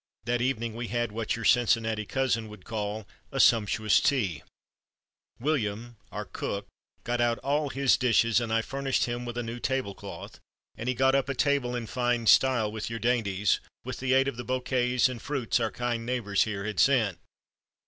That evening we had what your Cincinnati cousin would call 'a sumptous tea.' William, our cook, got out all his dishes and I furnished him with a new tablecloth and he got up a table in fine style with your dainties, with the aid of the bouquets and fruits our kind neighbors here had sent.